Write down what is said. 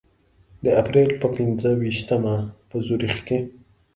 د اپریل په پنځه ویشتمه په زوریخ کې.